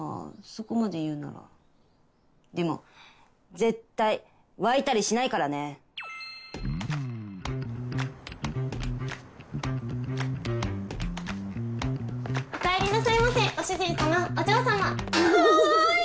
そこまで言うならでも絶対沸いたりしないからね・お帰りなさいませご主人さまお嬢さま・かわいい！